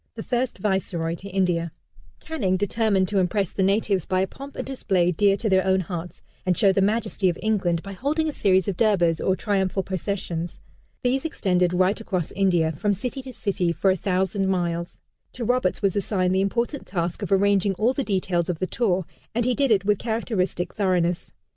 The first Viceroy to India, Canning, determined to impress the natives by a pomp and display dear to their own hearts, and show the majesty of England, by holding a series of Durbars, or triumphal processions. These extended right across India, from city to city, for a thousand miles. To Roberts was assigned the important task of arranging all the details of the tour, and he did it with characteristic thoroughness.